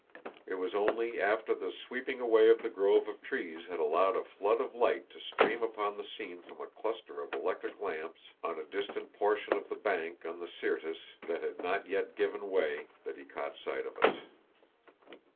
It was only after the sweeping away of the grove of trees had allowed a flood of light to stream upon the scene from a cluster of electric lamps on a distant portion of the bank on the Syrtis that had not yet given way that he caught sight of us.